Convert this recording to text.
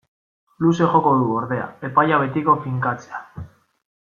Luze joko du, ordea, epaia betiko finkatzea.